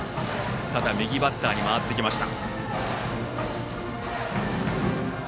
ただ右バッターに回ってきました。